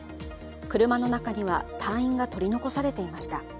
車の中には隊員が取り残されていました。